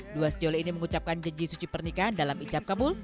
dua sejol ini mengucapkan janji suci pernikahan dalam ijab kabul